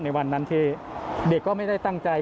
ในวันนั้นที่เด็กก็ไม่ได้ตั้งใจ